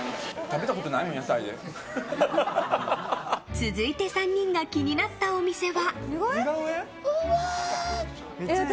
続いて３人が気になったお店は。